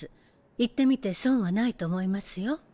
行ってみて損はないと思いますよ。